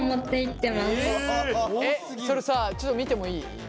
それさちょっと見てもいい？